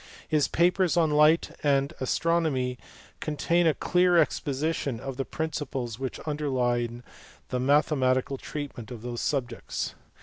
His papers on light and astronomy contain a clear exposition of the principles which underlie the mathematical treatment of those subjects.